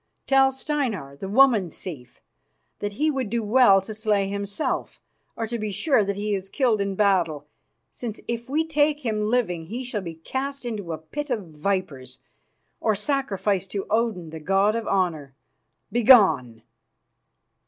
Tell Steinar, the woman thief, that he would do well to slay himself, or to be sure that he is killed in battle, since if we take him living he shall be cast into a pit of vipers or sacrificed to Odin, the god of honour. Begone!"